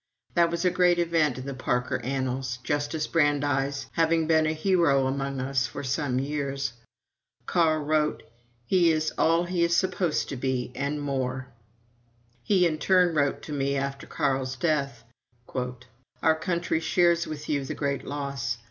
That was a great event in the Parker annals Justice Brandeis having been a hero among us for some years. Carl wrote: "He is all he is supposed to be and more." He in turn wrote me after Carl's death: "Our country shares with you the great loss.